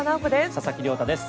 佐々木亮太です。